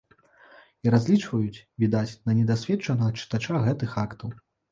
І разлічваюць, відаць, на недасведчанага чытача гэтых актаў.